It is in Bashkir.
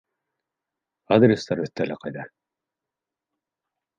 Адрестар өҫтәле ҡайҙа?